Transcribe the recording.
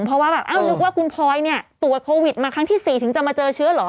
เพราะว่าแบบเอ้านึกว่าคุณพลอยเนี่ยตรวจโควิดมาครั้งที่๔ถึงจะมาเจอเชื้อเหรอ